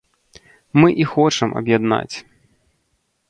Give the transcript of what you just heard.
Мы і хочам аб'яднаць.